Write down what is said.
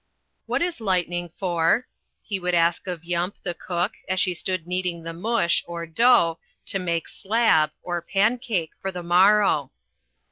"What is lightning for?" he would ask of Yump, the cook, as she stood kneading the mush, or dough, to make slab, or pancake, for the morrow.